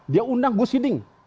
dia undang gus hiding